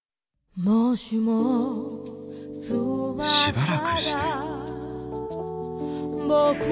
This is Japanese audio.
しばらくして。